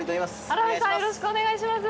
荒堀さん、よろしくお願いします。